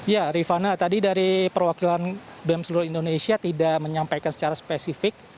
ya rifana tadi dari perwakilan bem seluruh indonesia tidak menyampaikan secara spesifik